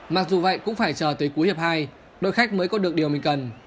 mặc dù vậy cũng phải chờ tới cuối hiệp hai đội khách mới có được điều mình cần